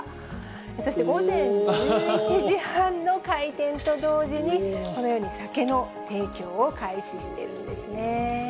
そして午前１１時半の開店と同時に、このように酒の提供を開始しているんですね。